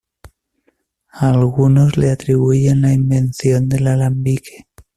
Algunos le atribuyen la invención del alambique.